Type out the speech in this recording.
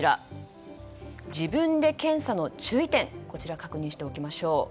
自分で検査の注意点確認しておきましょう。